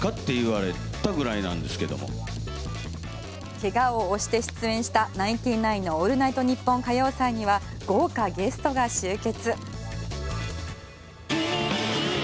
けがを押して出演したナインティナインのオールナイトニッポン歌謡祭には豪華ゲストが集結。